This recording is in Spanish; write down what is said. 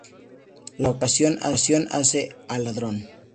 La ocasión hace al ladrón